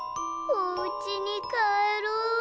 「おうちにかえろうよ」。